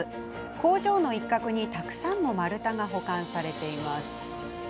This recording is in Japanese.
工場の一角に、たくさんの丸太が保管されています。